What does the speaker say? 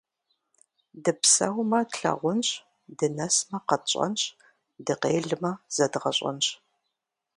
Дыпсэумэ - тлъагъунщ, дынэсмэ – къэтщӏэнщ, дыкъелмэ – зэдгъэщӏэнщ.